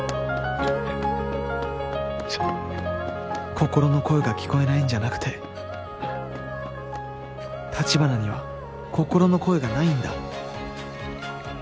心の声が聞こえないんじゃなくて橘には心の声がないんだ